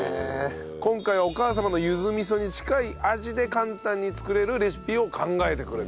今回はお母様のゆず味噌に近い味で簡単に作れるレシピを考えてくれた。